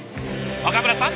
岡村さん